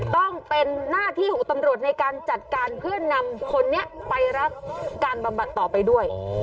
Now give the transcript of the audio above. ต้องเป็นหน้าที่ของตำรวจในการจัดการเพื่อนำคนนี้ไปรับการบำบัดต่อไปด้วย